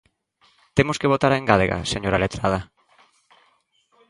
¿Temos que votar a engádega, señora letrada?